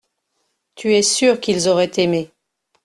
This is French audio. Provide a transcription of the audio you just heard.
Tu es sûr qu’ils auraient aimé.